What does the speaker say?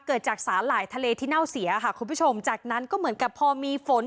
เกิดจากสาหร่ายทะเลที่เน่าเสียค่ะคุณผู้ชมจากนั้นก็เหมือนกับพอมีฝน